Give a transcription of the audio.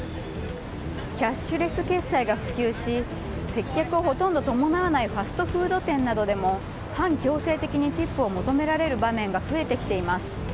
キャッシュレス決済が普及し接客をほとんど伴わないファストフード店などでも半強制的にチップを求められる場面が増えてきています。